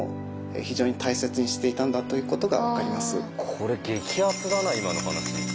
これ激アツだな今の話。